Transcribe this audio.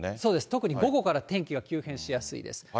特に午後から天気が急変しやすいです。